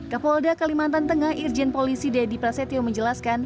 kapolda kalimantan tengah irjen polisi deddy prasetyo menjelaskan